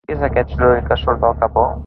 Què és aquest soroll que surt del capó?